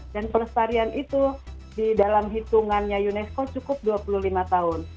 dan pelestarian itu di dalam hitungannya unesco cukup dua puluh lima tahun